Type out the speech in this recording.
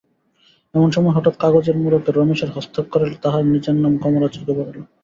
এমন সময় হঠাৎ কাগজের মোড়কে রমেশের হস্তাক্ষরে তাহার নিজের নাম কমলার চোখে পড়িল।